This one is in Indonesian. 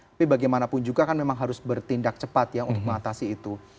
tapi bagaimanapun juga kan memang harus bertindak cepat ya untuk mengatasi itu